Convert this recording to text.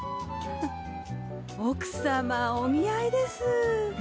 奥様お似合いです。